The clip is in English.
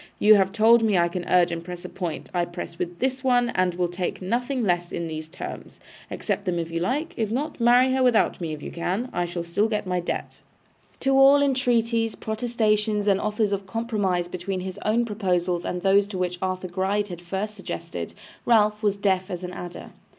You have told me I can urge and press a point. I press this one, and will take nothing less than these terms. Accept them if you like. If not, marry her without me if you can. I shall still get my debt.' To all entreaties, protestations, and offers of compromise between his own proposals and those which Arthur Gride had first suggested, Ralph was deaf as an adder.